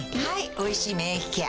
「おいしい免疫ケア」